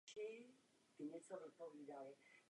Režie se ujal Garth Davis a scénáře Luke Davies.